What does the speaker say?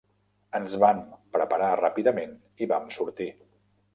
Ens vam preparar ràpidament i vam sortir.